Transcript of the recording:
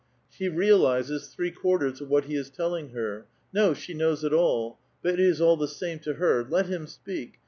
She realizes three quarters of what he is telling her, — no, she knows it ^}\ but it is all the same to her: "Let him speak!